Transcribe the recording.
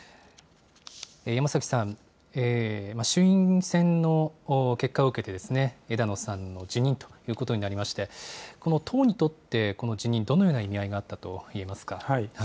山崎さん、衆院選の結果を受けて、枝野さんの辞任ということになりまして、この党にとって、この辞任、どのような意味合いがあったといえますか。